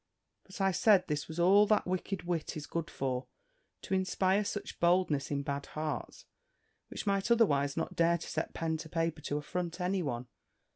But I said, this was all that wicked wit is good for, to inspire such boldness in bad hearts, which might otherwise not dare to set pen to paper to affront any one.